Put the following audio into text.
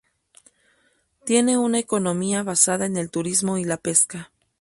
Tiene una economía basada en el turismo y la pesca.